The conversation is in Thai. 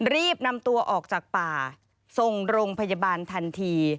รีบนำตัวออกจากป่าส่งโรงพยาบาลทันที